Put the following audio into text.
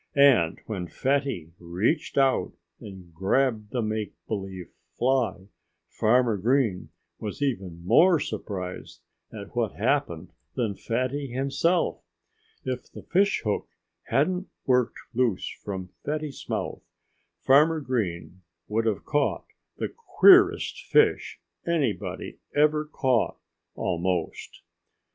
And when Fatty reached out and grabbed the make believe fly Farmer Green was even more surprised at what happened than Fatty himself. If the fish hook hadn't worked loose from Fatty's mouth Farmer Green would have caught the queerest fish anybody ever caught, almost.